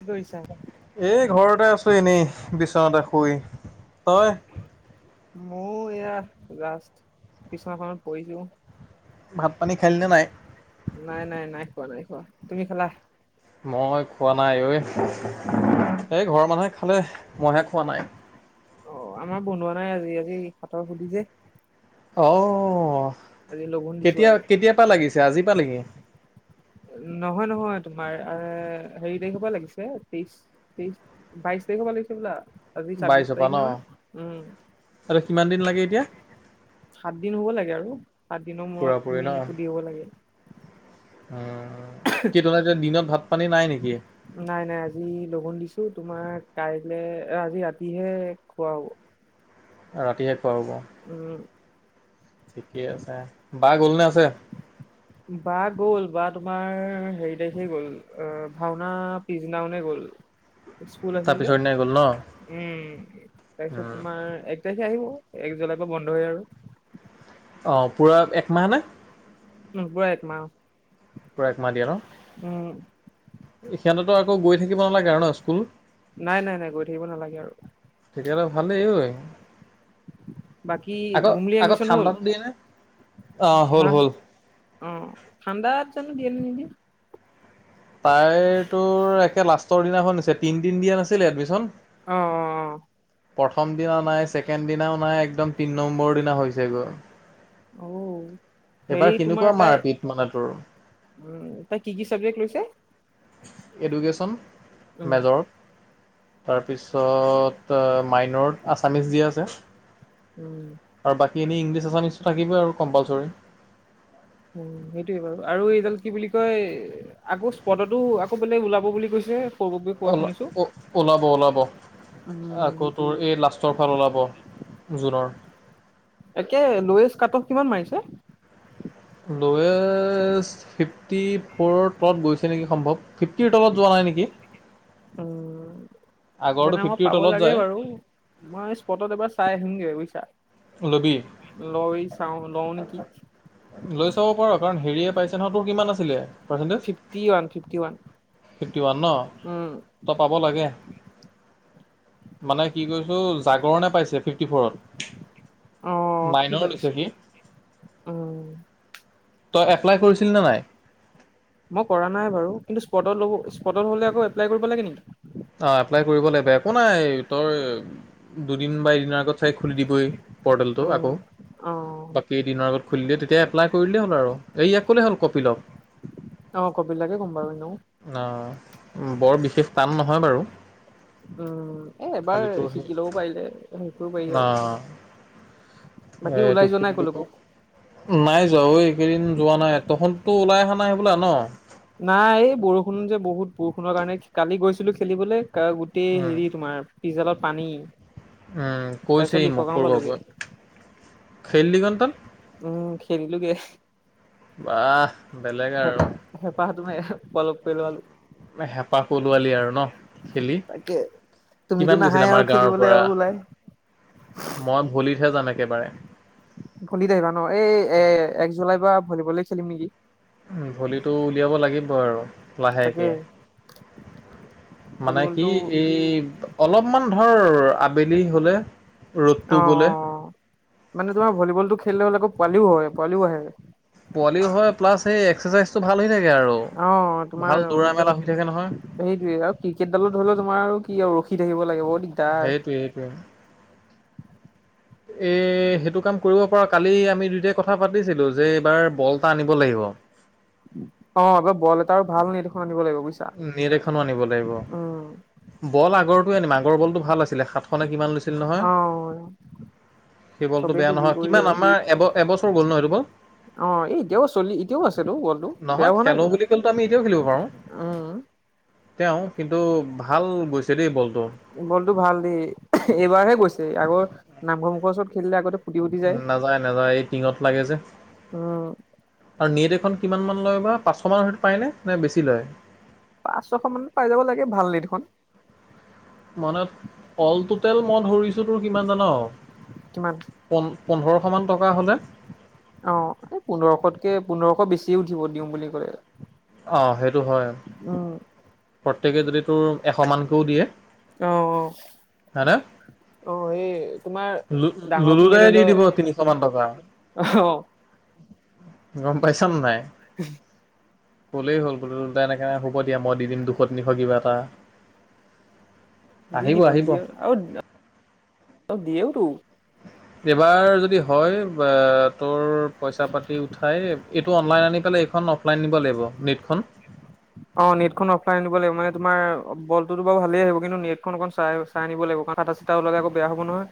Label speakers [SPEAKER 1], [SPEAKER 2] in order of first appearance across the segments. [SPEAKER 1] কি কৰিছা?
[SPEAKER 2] এই ঘৰ আছো এনেই বিচনাতে শুই তই
[SPEAKER 1] মোৰ এয়া লাষ্ট বিছনাখনত পঢ়িছো।
[SPEAKER 2] ভাত পানী খালে নাই।
[SPEAKER 1] নাই নাই নাই খোৱা তুমি খালা।
[SPEAKER 2] মই খোৱা নাই ঐ এই ঘৰৰ মানুহে খালে মইহে খোৱা নাই।
[SPEAKER 1] অ আমাৰ বনোৱা নাই আজি আজি হাতৰ সুধি যে।
[SPEAKER 2] অ
[SPEAKER 1] আজি লঘোণ দিছো
[SPEAKER 2] কেতিয়া
[SPEAKER 1] আৰু।
[SPEAKER 2] কেতিয় পৰা লাগিছে আজিৰ পৰা নেকি।
[SPEAKER 1] নহয় নহয় তোমাৰ এ হেৰি তাৰিখৰ পৰা লাগিছে তেইশ তেইশ বাইশ। [unintelligible] ছাব্বিশ
[SPEAKER 2] বাইছৰ পৰা
[SPEAKER 1] তাৰিখ
[SPEAKER 2] ন?
[SPEAKER 1] নহয়। উম
[SPEAKER 2] আৰু কিমান দিন লাগে? এতিয়া?
[SPEAKER 1] সাত দিন হ'ব লাগে আৰু, সাত দিনৰ
[SPEAKER 2] পুৰা
[SPEAKER 1] মূৰত
[SPEAKER 2] পুৰি ন
[SPEAKER 1] তুমি সুধিব হব লাগে।
[SPEAKER 2] উম, কি তোমাৰ তাত দিনত ভাত পানী নাই নেকি?
[SPEAKER 1] নাই নাই আজি লঘোণ দিছো তোমাৰ কাইলে আজি ৰাতিহে খোৱা হব
[SPEAKER 2] ৰাতিহে খোৱা হব।
[SPEAKER 1] উম
[SPEAKER 2] ঠিকে আছে বা গলনে আছে
[SPEAKER 1] বা গ'ল বা তোমাৰ হেৰি তাৰিখে গ'ল ভাওনা পিছ দিনা খনে গ'ল। স্কুল
[SPEAKER 2] তাৰ
[SPEAKER 1] আহিলে
[SPEAKER 2] পিছৰ দিনাই গ'ল ন?
[SPEAKER 1] উম তাৰপিছত
[SPEAKER 2] উম
[SPEAKER 1] তোমাৰ এক তাৰিখ। আহিব এক জুলাইৰ পৰা বন্ধ হয় আৰু।
[SPEAKER 2] অঁ পোৰা এক মাহ নে?
[SPEAKER 1] উ পুৰা এক মাহ অ
[SPEAKER 2] পুৰা একমাহ দিয়ে ন সিঁহতৰটো আকৌ গৈ থাকিব নালাগে ন স্কুল
[SPEAKER 1] নাই নাই নাই গৈ থাকিব নালাগে আৰু
[SPEAKER 2] তেতিয়লে ভালেই ঐ
[SPEAKER 1] বাকী
[SPEAKER 2] আকৌ আকৌ ঠাণ্ডাটো দিয়ে নে। অ' হ'ল
[SPEAKER 1] অহ
[SPEAKER 2] হ'ল
[SPEAKER 1] অ ঠাণ্ডাত জানো দিয়ে নে নিদিয়ে।
[SPEAKER 2] তাইতো একে লাষ্টৰ দিনাখন নিছে তিনিদিন দিয়া নাছিল এডমিশ্যন।
[SPEAKER 1] অ অ অ।
[SPEAKER 2] প্ৰথম দিনা নাই ছেকেণ্ড দিনাও নাই একদম তিনি নম্বৰৰ দিনা হৈছেগৈ।
[SPEAKER 1] ঔ
[SPEAKER 2] এবাৰ কেনেকুৱা মাৰপিত মানে তোৰ
[SPEAKER 1] উম তই কি কি চাবজেক্ট লৈছে
[SPEAKER 2] এডুকেশ্যন
[SPEAKER 1] উম
[SPEAKER 2] মেজৰ তাৰপিছত মাইনৰত আছামিছ দিয়া আছে
[SPEAKER 1] উম
[SPEAKER 2] সেইখনেই ইংলিছ আছামিছটো থাকিবই আৰু কম্পালচৰি
[SPEAKER 1] উ সেইটোয়ে বাৰু আৰু এইডাল কি বুলি কয় আকৌ স্পদতো আকৌ বেলেগ ওলাব বুলি কৈছে সৌৰভে কোৱা
[SPEAKER 2] অওল
[SPEAKER 1] শুনিছো।
[SPEAKER 2] ওলাব ওলাব আকৌ তোৰ এই লাষ্টৰ ফাল ওলাব জুনৰ
[SPEAKER 1] তাকে লয়েজ কাট অফ কিমান মাৰিছে
[SPEAKER 2] লৱেচ ফিফটি ফ'ৰ তলত গৈছে নেকি সম্ভৱ ফিফ্তি তলত যোৱা নাই নেকি
[SPEAKER 1] উম,
[SPEAKER 2] আগৰটো
[SPEAKER 1] তেনে মই
[SPEAKER 2] ফিফটিৰ
[SPEAKER 1] পাব
[SPEAKER 2] তলত
[SPEAKER 1] লাগে
[SPEAKER 2] যায়
[SPEAKER 1] বাৰু মই স্পটত এবাৰ চাই আহিমগে বুজিছা
[SPEAKER 2] লবি লৈ
[SPEAKER 1] লৈ চাওঁ লওঁ
[SPEAKER 2] চাব
[SPEAKER 1] নেকি
[SPEAKER 2] পাৰ কাৰণ হেৰিয়ে পাইছে তোৰ কিমান আছিলে percentage
[SPEAKER 1] fifty one fifty one
[SPEAKER 2] fifty one ন
[SPEAKER 1] উম,
[SPEAKER 2] তই পাব লাগে। মানে কি কৈছো জাগৰণে পাইছে ফিফটি ফৰত
[SPEAKER 1] আহ সি
[SPEAKER 2] মাইনৰ লৈছে
[SPEAKER 1] পাইছে
[SPEAKER 2] সি
[SPEAKER 1] উমম
[SPEAKER 2] তই এপ্লাই কৰিছিল নে নাই
[SPEAKER 1] মই কৰা নাই বাৰু কিন্তু স্পটত লব স্পটত হ'লে আকৌ এপ্লাই কৰিব লাগে নেকি
[SPEAKER 2] অ এপ্লাই কৰিব লাগিব একো নাই তই দুদিন বা দিনাৰ আগত চাইট খুলি দিবই পৰ্টেলটো
[SPEAKER 1] উম,
[SPEAKER 2] আকৌ।
[SPEAKER 1] অ',
[SPEAKER 2] বাকী দিনৰ আগত- খুলি দিলে তেতিয়া এপ্লাই কৰি দিলেই হ'ল আৰু এইয়া কলে হ'ল কপিলক
[SPEAKER 1] অ' কপিল দাকে ক'ম বাৰু এনেও
[SPEAKER 2] অ বৰ বিশেষ টান নহয় বাৰু
[SPEAKER 1] উম এ এবাৰ
[SPEAKER 2] খালিতো সেই
[SPEAKER 1] শিকি লও পাৰিলে শিকিব পাৰি
[SPEAKER 2] অ
[SPEAKER 1] আৰু বাকী
[SPEAKER 2] এইটো
[SPEAKER 1] ওলাই যোৱা
[SPEAKER 2] কি
[SPEAKER 1] নাই
[SPEAKER 2] বুলি
[SPEAKER 1] কলৈকো
[SPEAKER 2] কয় নাই যোৱা ঐ এইকেইদিন যোৱা নাই তহঁততো ওলাই অহা নাই হবলা ন
[SPEAKER 1] নাই এই বৰষুণ যে বহুত বৰষুণৰ কাৰণে কালি গৈছিলো খেলিবলে গোটেই
[SPEAKER 2] উম
[SPEAKER 1] হেৰি তোমাৰ পি্জেলৰ পানী
[SPEAKER 2] উম
[SPEAKER 1] তাৰপিছত
[SPEAKER 2] কৈছেই মোক
[SPEAKER 1] লিখগাও পালোগে
[SPEAKER 2] সৰুবাবুৱে খেলিলি কণ তই
[SPEAKER 1] উম খেলিলো গে ৷
[SPEAKER 2] বাহ! বেলেগ আৰু
[SPEAKER 1] হেপাহা তুমাৰ [unintelligible]
[SPEAKER 2] হেঁপাহ পলোৱালি আৰু ন খেলি।
[SPEAKER 1] তাকে তুমিতো
[SPEAKER 2] কিমান গৈছিল
[SPEAKER 1] নাহাই
[SPEAKER 2] আমাৰ
[SPEAKER 1] আৰু
[SPEAKER 2] গাঁৱৰ
[SPEAKER 1] খেলিবলৈ
[SPEAKER 2] পৰা
[SPEAKER 1] আৰু ওলাই।
[SPEAKER 2] মই ভলিতহে যানে
[SPEAKER 1] ভলিত আহিবা ন এই এ এক জুলাইৰ পৰা ভলীবলে খেলিম নেকি?
[SPEAKER 2] ভলিটো উলিয়াব লাগিব আৰু
[SPEAKER 1] তাকে
[SPEAKER 2] লাহেকে৷ মানে কি
[SPEAKER 1] ভলীবলটো
[SPEAKER 2] এই অলপমান ধৰ আবেলি হ'লে
[SPEAKER 1] অ',
[SPEAKER 2] ৰ'দটো গ'লে
[SPEAKER 1] অ', মানে তোমাৰ ভলীবল টো খেললে হ'লে আকৌ পোৱালিও হয় পোৱালিও আহে৷
[SPEAKER 2] পোৱালিও হয় প্লাচ এই এক্সাৰচাইজটো ভাল হয় নাই
[SPEAKER 1] অ তোমাৰ
[SPEAKER 2] থাকে নহয়
[SPEAKER 1] সেইটোৱে আৰু ক্ৰিকেটডালত ধৰিলেও তোমাৰ আৰু কি আৰু দি থাকিব লাগিব দিগদাৰ
[SPEAKER 2] সেইটোৱে সেইটোৱে। এ সেইটো কাম কৰিব পৰা। কালি আমি দুয়টাই কথা পাতিছিলো যে এইবাৰ বল এটা আনিব লাগিব।
[SPEAKER 1] অ বল এটা আৰু ভাল নেট এখন আনিব লাগিব ৷
[SPEAKER 2] নেট এখনো আনিব লাগিব বল আগৰ আগৰ বলটো ভাল আছিলে সাতশ নে কিমান লৈছিল
[SPEAKER 1] অ
[SPEAKER 2] সেইবলতটো
[SPEAKER 1] চবেই
[SPEAKER 2] বেয়া
[SPEAKER 1] তুলি
[SPEAKER 2] নহয়
[SPEAKER 1] কৰি
[SPEAKER 2] কিমান
[SPEAKER 1] আৰু
[SPEAKER 2] আমাৰ এব এবছৰ গ'ল ন এইটো বল?
[SPEAKER 1] অ এই এতিয়াও চলি এতিয়াও আছেতো বলটো বেয়া
[SPEAKER 2] নহয়
[SPEAKER 1] হোৱা
[SPEAKER 2] খেলো
[SPEAKER 1] নাইতো
[SPEAKER 2] বুলি কলেটো আমি এতিয়াও খেলিব পাৰো৷ [inaudible]
[SPEAKER 1] উম
[SPEAKER 2] তেওঁ কিন্তু ভাল গৈছে দেই বল
[SPEAKER 1] বলটো ভাল দেই এইবাৰহে গৈছে আগৰ নামঘৰ মুখৰ ওচৰত খেলিলে আগতে ফুটি ফুটি যায়
[SPEAKER 2] নাযায়-নাযায় এই টিঙত লাগে যে
[SPEAKER 1] উম
[SPEAKER 2] আৰু নেট এখন কিমানমান লয় বা পাঁচশমান হয়তো পাইনে নে বেছি লয়?
[SPEAKER 1] পাঁচ ছশ মানত পাই যাব লাগে ভাল নেট এখন ৷
[SPEAKER 2] মানে অলটোতেল মই ধৰিছো তোৰ কিমান জান?
[SPEAKER 1] কিমান
[SPEAKER 2] প পোন্ধৰশ মান টকা হ'লে
[SPEAKER 1] অ এই পোন্ধৰশতকে পোন্ধৰশ বেছি উঠিব দিওঁ বুলি কলে ৷
[SPEAKER 2] অঁ সেইটো হয় ৷ প্ৰত্যেকে যদি তোৰ এশ মানকেও দিয়ে৷
[SPEAKER 1] অ-অ
[SPEAKER 2] হা হয়নে? ললো দাই দি দিব তিনিশ মান টকা৷
[SPEAKER 1] অহ
[SPEAKER 2] গম পাইছ নে?
[SPEAKER 1] হ [unintelligible]
[SPEAKER 2] ক'লেই হল বোলো দুলু দা এনেকে হ'ব দিয়া মই দি দিম দুশ তিনিশ কিবা এটা ৷
[SPEAKER 1] দি দিব নিদিয়ে আৰু দিয়েও তো!
[SPEAKER 2] এইবাৰ যদি হয় বা তোৰ পইচা পাতি উঠাই এইটো অনলাইন আনি পেলাই খন অফলাইন নিব লাগিব নেটখন ৷
[SPEAKER 1] অ নেটখন অফলাইন আনিব লাগিব মানে তোমাৰ বলটোতো বাৰু ভালে আহিব কিন্তু নেটখন অকণ চাই-চাই আনিব লাগিব। ফাটা চটা ওলাই আকৌ বেয়া হ'ব নহয়৷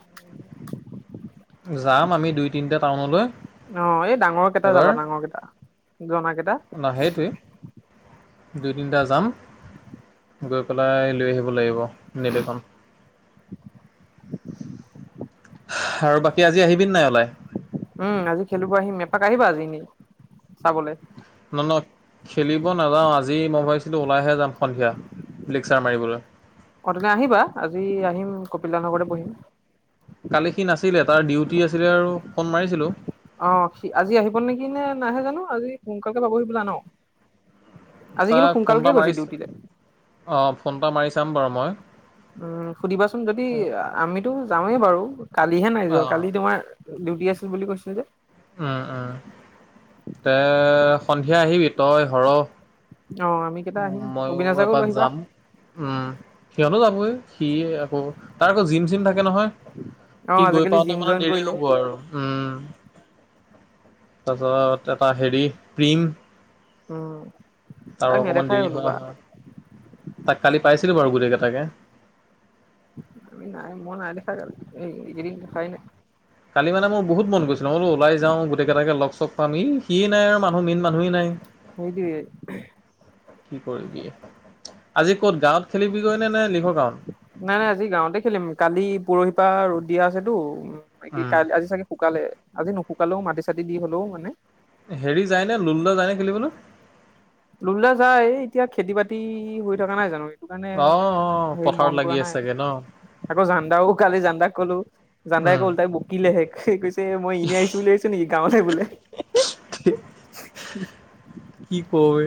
[SPEAKER 2] [unintelligible] যাম আমি দুই তিনিটা টাউনলৈ
[SPEAKER 1] আহ এই ডাঙৰ কেইটা
[SPEAKER 2] এবাৰ
[SPEAKER 1] যাবা ডাঙৰ কেইটা জনা কেইটা৷
[SPEAKER 2] ন সেইটোৱে দুই তিনিটা যাম গৈ পেলাই লৈ আহিব লাগিব নেট এখন৷ আৰু বাকী আজি আহিবি নে?
[SPEAKER 1] উম আজি খেলিব আহিম এপাক আহিবা আজি এনে চাবলে?
[SPEAKER 2] নহ ন খেলিব নাযাও আজি মই ভাবিছিলো ওলাইহে যাম। সন্ধিয়া লেকচাৰ মাৰিবলৈ
[SPEAKER 1] অ তেনে আহিবা আজি আহিম কপিল নগৰতে বহিম।
[SPEAKER 2] কালি সি নাছিলে তাৰ ডিউটি আছিলে আৰু ফোন মাৰিছিলো
[SPEAKER 1] অ সি আজি আহিব নেকি? নে নাইহে জানো আজি সোনকালকে পাবহি ন? আজি কিন্তু
[SPEAKER 2] তাক ফোন
[SPEAKER 1] সোনকালকে
[SPEAKER 2] এটা
[SPEAKER 1] গৈছে
[SPEAKER 2] মাৰি
[SPEAKER 1] ডিউটিতে
[SPEAKER 2] সময়
[SPEAKER 1] উম সুধিবাচোন যদি আমিতো যাওঁৱেই বাৰু কালিহে নাই যোৱা
[SPEAKER 2] অঁ
[SPEAKER 1] কালি তোমাৰ ডিউটি আছিল বুলি কৈছিলো যে।
[SPEAKER 2] উম উম এ সন্ধিয়া আহিবি তই সৰহ
[SPEAKER 1] অ আমি কেইটা
[SPEAKER 2] উ
[SPEAKER 1] আহিম
[SPEAKER 2] মই
[SPEAKER 1] অবিনাশাকো
[SPEAKER 2] এপাক
[SPEAKER 1] লৈ আহিবা
[SPEAKER 2] যাম উম সিহঁতো যাবই সি অ তাৰ আকৌ জিম চিম থাকে নহয়।
[SPEAKER 1] অ
[SPEAKER 2] সি গৈ
[SPEAKER 1] আজিকালি
[SPEAKER 2] পাওতে
[SPEAKER 1] জিম
[SPEAKER 2] মানে
[SPEAKER 1] জইন
[SPEAKER 2] দেৰি
[SPEAKER 1] কৰিলে
[SPEAKER 2] হ'ব আৰু উম। তাৰপিছত এটা হেৰি প্ৰিম
[SPEAKER 1] উম।
[SPEAKER 2] তাৰ
[SPEAKER 1] তাক
[SPEAKER 2] অকণমান
[SPEAKER 1] নেদেখাই
[SPEAKER 2] দেৰি
[SPEAKER 1] হলো
[SPEAKER 2] হৈ
[SPEAKER 1] বা
[SPEAKER 2] অহা। তাক কালি পাইছিলো বাৰু গোটেই কেইটাকে।
[SPEAKER 1] আমি নাই মই নাই দেখা কালি। এইকেইদিন দেখাই নাই।
[SPEAKER 2] কালি মানে মোৰ বহুত চ পাম ই সিয়েই নাই আৰু মানুহ মেইন মানুহেই নাই।
[SPEAKER 1] সেইটোৱে
[SPEAKER 2] কি কৰিবি আজি ক'ত গাঁৱত খেলিবিগৈ নে নে লিখ গাঁৱত?
[SPEAKER 1] নাই নাই আজি গাঁৱতে খেলিম। কালি পৰহিপা ৰ'দ দিয়া আছেতো। কি
[SPEAKER 2] উম
[SPEAKER 1] কাই আজি চাগে শুকালে আজি নুশুকালেও মাটি চাটি দি হলেও মানে
[SPEAKER 2] হেৰি যায় নে লুলো দা যায় নে খেলিবলে?
[SPEAKER 1] লুলো দা যায় এতিয়া খেতি বাতি হৈ থকা নাই জানো? সেইটো কাৰণে
[SPEAKER 2] অ অ
[SPEAKER 1] হেৰি
[SPEAKER 2] পথাৰত
[SPEAKER 1] মন
[SPEAKER 2] লাগি
[SPEAKER 1] কৰা
[SPEAKER 2] আছে
[SPEAKER 1] নাই।
[SPEAKER 2] চাগে ন
[SPEAKER 1] আকৌ জানদাও কালি জানদা ক ক'লো জানদাই আকৌ
[SPEAKER 2] উম
[SPEAKER 1] ওলোটাই বকিলেহে। কৈছে মই এনে আহিছো বুলি ভাবিছ নেকি? [unintelligible] বোলে। [inaudible]
[SPEAKER 2] কি কয়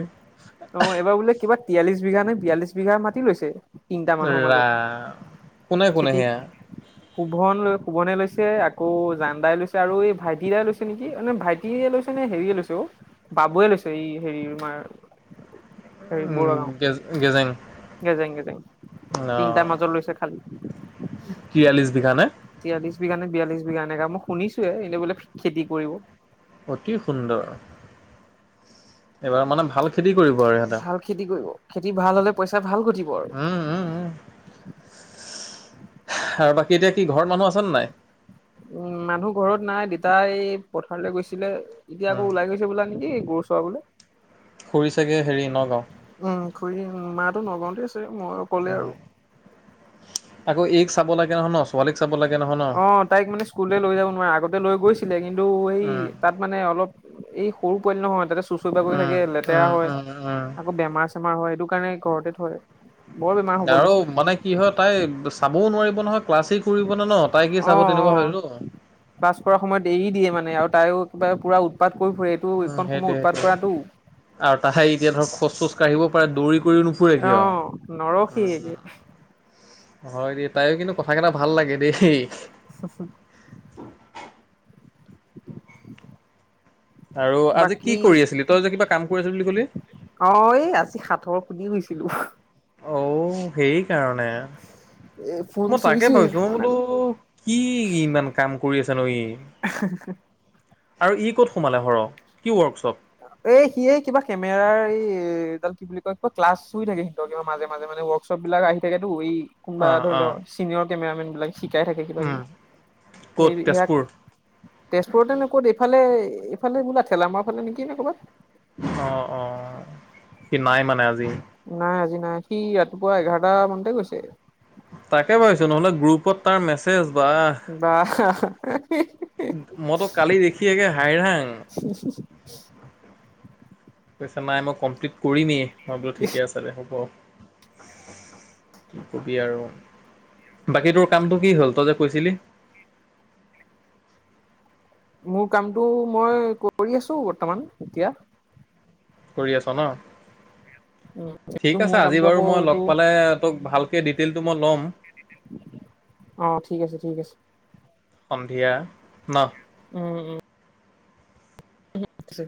[SPEAKER 1] অ এইবাৰ বোলে কিবা তিয়াল্লিশ বিঘা নে বিয়াল্লিশ বিঘা মাতি লৈছে। তিনিটা মানুহৰ মাজত
[SPEAKER 2] ৰাম কোনে কোনে
[SPEAKER 1] খেতি
[SPEAKER 2] সেয়া
[SPEAKER 1] শুভন লৈ শোভনে লৈছে আকৌ জানদাই লৈছে আৰু এই ভাইটি দাই লৈছে নেকি ভাইটি লৈছে। হেৰিয়ে লৈছে অ বাবুৱে লৈছে এই হেৰি তোমাৰ
[SPEAKER 2] উম গজ গেজং।
[SPEAKER 1] গেজাইং গেজেং তিনটাৰ মাজত লৈছে খালি।
[SPEAKER 2] তিয়াল্লিছ বিঘা নে?
[SPEAKER 1] বিশ বিঘানে বিয়াল্লিশ বিঘা এনেকে মই শুনিছোৱে এনে বোলে খেতি কৰিব।
[SPEAKER 2] অতি সুন্দৰ এইবাৰ মানে ভাল খেতি কৰিব আৰু সিহঁতে।
[SPEAKER 1] ভাল খেতি কৰিব খেতি ভাল হলে পইচা ভাল ঘটিব আৰু
[SPEAKER 2] উম উম উম আৰু বাকী এতিয়া কি ঘৰৰ মানুহ আছেনে নাই?
[SPEAKER 1] উম মানুহ ঘৰত নাই দেতাই এই পথাৰলৈ গৈছিলে, এতিয়া আকৌ
[SPEAKER 2] উম
[SPEAKER 1] ওলাই গৈছে বোলা নেকি? গৰু চৰাবলে।
[SPEAKER 2] খুৰি চাগে হেৰি নগাঁও?
[SPEAKER 1] খুুৰী মাটো নগাঁওতে আছে মই অক'লে আৰু।
[SPEAKER 2] উম আকৌ এই চাব লাগে নহয় ন ছোৱালীক চাব লাগে নহয় ন
[SPEAKER 1] অ তাইক মানে স্কুললে লৈ যাব নোৱাৰে। আগতে লৈ গৈছিলে কিন্তু সেই
[SPEAKER 2] উম
[SPEAKER 1] তাত মানে অলপ এই সৰু পোৱালি নহয় তাতে চুচৰি বাগৰি থাকে
[SPEAKER 2] উম
[SPEAKER 1] লেতেৰা
[SPEAKER 2] উম
[SPEAKER 1] হয়
[SPEAKER 2] উম উম
[SPEAKER 1] আকৌ বেমাৰ চেমাৰ হয়। সেইটো কাৰণে ঘৰতে থয়। বৰ বেমাৰ হ'ব
[SPEAKER 2] আৰু
[SPEAKER 1] লৈছিলে
[SPEAKER 2] মানে কি হয়, তাই চাবও নোৱাৰিব নহয়। ক্লাছেই কৰিব নে ন তাই কি
[SPEAKER 1] অ
[SPEAKER 2] চাব
[SPEAKER 1] অ
[SPEAKER 2] তেনেকুৱা হয়তো
[SPEAKER 1] পাছ পৰা সম ক পুৰা উৎপাত কৰি ফুৰে
[SPEAKER 2] উম সেইটোৱে সেইটোৱে
[SPEAKER 1] এইটো
[SPEAKER 2] আৰু তাহে এতিয়া ধৰক খোজ চোজ কাঢ়িব পাৰে দৌৰি কৰিও নুফুৰে
[SPEAKER 1] অ
[SPEAKER 2] কিয়
[SPEAKER 1] নৰখি
[SPEAKER 2] আৰু
[SPEAKER 1] একে।
[SPEAKER 2] হয় দেই তাইও কিন্তু কথা কেইটা ভাল লাগে দেই।
[SPEAKER 1] [unintelligible] [inaudible]
[SPEAKER 2] আৰু আজি কি
[SPEAKER 1] বাকী
[SPEAKER 2] কৰি আছিলি তই যে কিবা কাম কৰি আছিল বুলি কলি।
[SPEAKER 1] অ এই আজি সাঠৰ সুধি হুইছিলো।
[SPEAKER 2] অঔ সেই কাৰণে।
[SPEAKER 1] এ ফোন
[SPEAKER 2] মই তাকে
[SPEAKER 1] চুইছোহে
[SPEAKER 2] ভাবিছো ম
[SPEAKER 1] অকমান
[SPEAKER 2] বোলো
[SPEAKER 1] আগত
[SPEAKER 2] কি ইমান কাম কৰি আছে ন ই।
[SPEAKER 1] [unintelligible]
[SPEAKER 2] আৰু ই ক'ত সোমালে হৰ কি ৱৰ্কশ্বপ?
[SPEAKER 1] এ সি কিবা কেমেৰাৰ এই এডাল কি বুলি কয় কিবা ক্লাছ শুই থাকে সিহতৰ কিবা মাজে মাজে মানে। লক চপ বিলাক আহি থাকে টো। কোনোবা
[SPEAKER 2] অঁ
[SPEAKER 1] ধৰিলে
[SPEAKER 2] অঁ
[SPEAKER 1] ছিনিয়ৰ কেমেৰামেন। বিলাক শিকাই থাকে কিবা
[SPEAKER 2] উম
[SPEAKER 1] কিবি
[SPEAKER 2] ক'ত
[SPEAKER 1] এইয়াক
[SPEAKER 2] তেজপুৰ
[SPEAKER 1] তেজপুৰতে নে ক'ত এইফালে এইফালে বোলা ঠেলামাৰ ফালে নেকি ন ক'ৰবাত
[SPEAKER 2] অ অ সি নাই মানে আজি।
[SPEAKER 1] নাই আজি সি ৰাতিপুৱা এঘাৰটা মানতে গৈছে?
[SPEAKER 2] তাকে ভাবিছো নহ'লে গ্ৰুপত তাৰ মেছেজ। বা
[SPEAKER 1] বা
[SPEAKER 2] মইতো কালি দেখিেগে হাই হাং। কৈছা নাই মই কমপ্লিট কৰিমেই মই বোলো ঠিকে আছে দে হ'ব। কি কবি আৰু বাকী তোৰ কামটো কি হ'ল তই যে কৈছিলি? [inaudible]
[SPEAKER 1] মোৰ কামটো মই কৰি আছো বৰ্তমান এতিয়া।
[SPEAKER 2] কৰি আছ ন
[SPEAKER 1] উম এইটো
[SPEAKER 2] ঠিক
[SPEAKER 1] মোৰ
[SPEAKER 2] আছে আজি
[SPEAKER 1] কামটো
[SPEAKER 2] বাৰু
[SPEAKER 1] আকৌ
[SPEAKER 2] মই
[SPEAKER 1] এইটো
[SPEAKER 2] লগ পালে তোক। ভালকৈ ডিটেইলটো মই ল'ম।
[SPEAKER 1] অ ঠিক আছে ঠিক আছে।
[SPEAKER 2] সন্ধিয়া ন।
[SPEAKER 1] উম উম ছে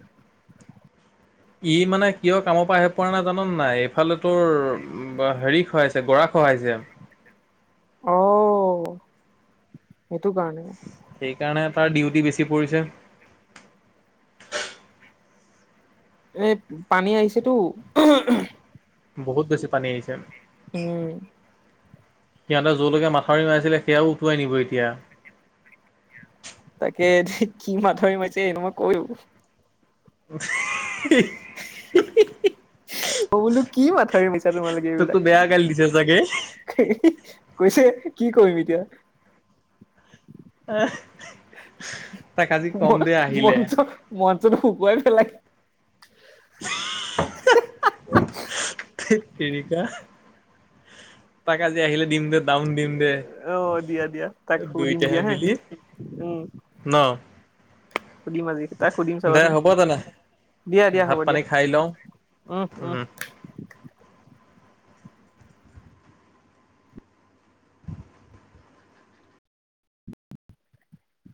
[SPEAKER 2] ই মানে কিয় কামৰ পৰা আহে পোৱা নাই জান নাই এইফালে তোৰ হেৰি খাইছে গৰা। সই যায়।
[SPEAKER 1] অ সেইটো কাৰণে।
[SPEAKER 2] সেইকাৰণে তাৰ ডিউটি বেছি পৰিছে।
[SPEAKER 1] এ পানী আহিছেতো।
[SPEAKER 2] বহুত বেছি পানী আহিছে
[SPEAKER 1] উম
[SPEAKER 2] সিহঁতে যলৈকে মাথাউৰি মাৰাইছিলে। তেইও উঠুৱাই নিব এতিয়া।
[SPEAKER 1] তাকে যে কি মাথাৰি মাৰিছে সটো মই কৈ। অ বোলো কি মাথা। এই মিছা তোমালোকে
[SPEAKER 2] তোকতো
[SPEAKER 1] এইবিলাক?
[SPEAKER 2] বেয়া গালি দিছে চাগে
[SPEAKER 1] কৈছে কি কৰিম এতিয়া।
[SPEAKER 2] আহ
[SPEAKER 1] মই মনটো ম। কুব পেলাই হে হে হা হা।
[SPEAKER 2] থেততেৰিকা তাক আজি আহিলে দিম দে। ডাউন দিম দে
[SPEAKER 1] অ দিয়া দিয়া তাক সুধিম
[SPEAKER 2] দুইটাহে
[SPEAKER 1] দিয়া হে
[SPEAKER 2] মিলি। ন
[SPEAKER 1] খুদি আজি। তাইক সুধিম
[SPEAKER 2] দে
[SPEAKER 1] চাবাচোন
[SPEAKER 2] হ'ব তেনে
[SPEAKER 1] দিয়া দিয়া
[SPEAKER 2] ভাত
[SPEAKER 1] হ'ব দিয়া।
[SPEAKER 2] পানী খাই লওঁ উম [inaudible]